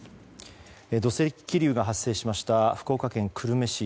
土石流が発生した福岡県久留米市。